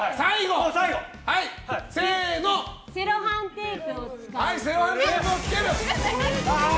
セロハンテープを使う。